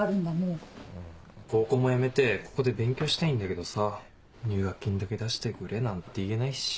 うん高校もやめてここで勉強したいんだけどさ入学金だけ出してくれなんて言えないし。